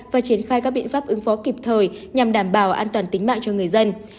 và triển khai các biện pháp ứng phó kịp thời nhằm đảm bảo an toàn tính mạng cho người dân